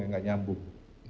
yang gak nyambung